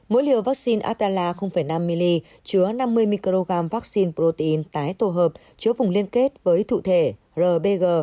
mỗi liều vắc xin adela năm ml chứa năm mươi mcg vắc xin protein tái tổ hợp chứa vùng liên kết với thụ thể rbg